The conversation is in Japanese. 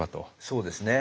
そうですね。